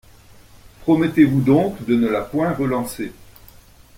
Promettez-vous donc de ne la point relancer.